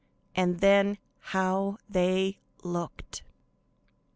And then how they looked!